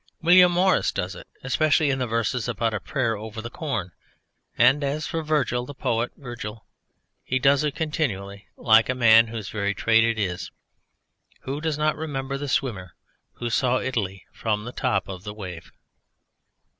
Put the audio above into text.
William Morris does it, especially in the verses about a prayer over the corn; and as for Virgil, the poet Virgil, he does it continually like a man whose very trade it is. Who does not remember the swimmer who saw Italy from the top of the wave?